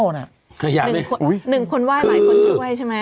หนึ่งคนว่ายหลายคนชื่อว่ายใช่ไหม